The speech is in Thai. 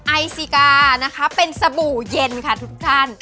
ไอซิกานะคะเป็นสบู่เย็นค่ะทุกท่าน